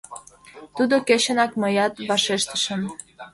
Тудо кечынак мыят вашештышым.